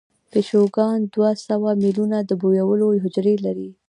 پیشوګان دوه سوه میلیونه د بویولو حجرې لري.